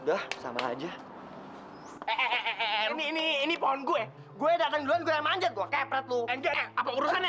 udah sama aja ini ini ini pohon gue gue datang dulu gue manjat keperet lu